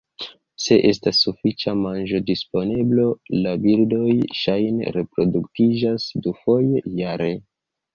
Se estas sufiĉa manĝodisponeblo, la birdoj ŝajne reproduktiĝas dufoje jare.